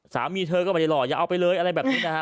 สามีเธอก็ไม่ได้หล่ออย่าเอาไปเลยอะไรแบบนี้นะฮะ